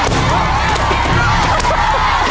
๑โป่ง